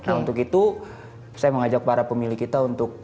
nah untuk itu saya mengajak para pemilih kita untuk